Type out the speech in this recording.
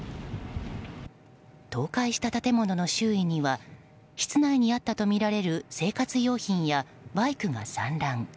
倒壊した建物の周囲には室内にあったとみられる生活用品や、バイクが散乱。